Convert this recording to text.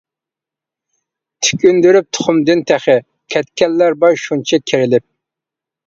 تۈك ئۈندۈرۈپ تۇخۇمدىن تېخى، كەتكەنلەر بار شۇنچە كېرىلىپ.